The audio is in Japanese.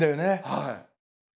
はい。